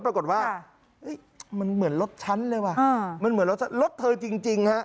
ปรากฏว่ามันเหมือนรถฉันเลยว่ะมันเหมือนรถเธอจริงฮะ